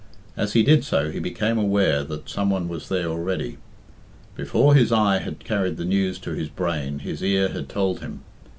As he did so he became aware that some one was there already. Before his eye had carried the news to his brain, his ear had told him.